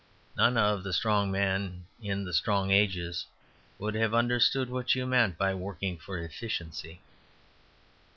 None of the strong men in the strong ages would have understood what you meant by working for efficiency.